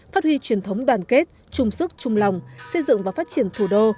phát huy truyền thống đoàn kết chung sức chung lòng xây dựng và phát triển thủ đô